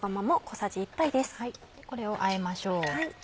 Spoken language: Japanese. これをあえましょう。